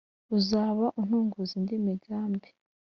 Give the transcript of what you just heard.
Uzaba untunguza indi migambi.